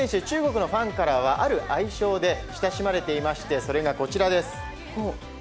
中国のファンからは、ある愛称で親しまれていましてそれがこちらです。